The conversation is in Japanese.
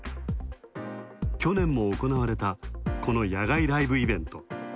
去年も行われた、この野外ライブイベント。